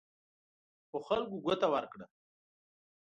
خو خلکو ګوته ورکړه.